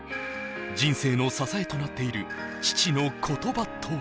人生の支えとなっている父の言葉とは？